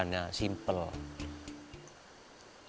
istri itu sih jawabannya sederhana